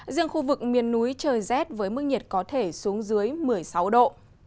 riêng khu vực miền núi trời rét với mức nhiệt có thể xuống dưới một mươi sáu độ